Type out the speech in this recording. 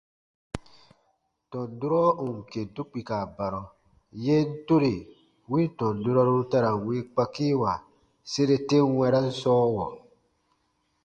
Tɔn durɔ ù n kentu kpika barɔ, yen tore win tɔn durɔru ta ra n wii kpakiiwa sere ten wɛ̃ran sɔɔwɔ.